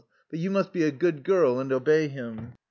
But you must be a good girl and obey him."